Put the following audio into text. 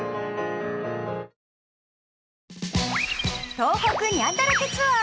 『東北ニャンだらけツアー』